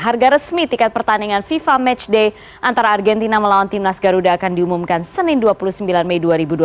harga resmi tiket pertandingan fifa matchday antara argentina melawan timnas garuda akan diumumkan senin dua puluh sembilan mei dua ribu dua puluh